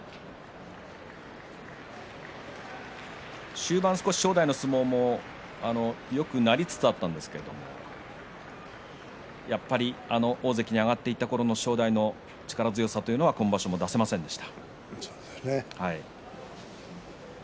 終盤、正代の相撲もよくなりつつあったんですけれどやっぱり大関に上がっていったころの正代の力強さというのは今場所も出せませんでした。